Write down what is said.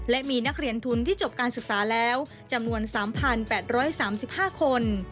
และมีนักเรียนทุนที่จบการศึกษาแล้วจำนวน๓๘๓๕คน